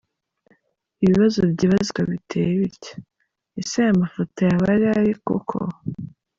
Ibibazo byibazwa biteye bitya : Ese aya mafoto yaba ari aye koko?